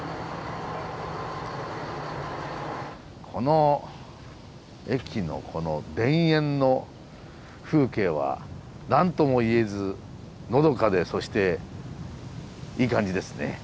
この駅の田園の風景は何とも言えずのどかでそしていい感じですね。